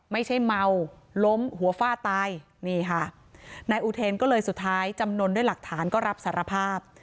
ไม่ใช่เมาล้มหัวฟาดตายนี่ค่ะนายอุเทนก็เลยสุดท้ายจำนวนด้วยหลักฐานก็รับสารภาพ